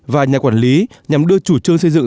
và nhà quản lý nhằm đưa chủ trương xây dựng